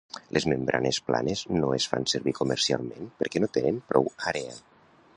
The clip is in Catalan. Les membranes planes no es fan servir comercialment perquè no tenen prou àrea.